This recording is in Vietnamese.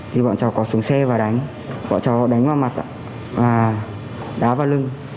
thì bọn cháu có xuống xe và đánh bọn cháu đánh vào mặt và đá vào lưng